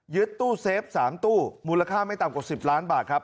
ตู้เซฟ๓ตู้มูลค่าไม่ต่ำกว่า๑๐ล้านบาทครับ